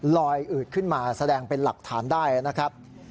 อืดขึ้นมาแสดงเป็นหลักฐานได้นะครับ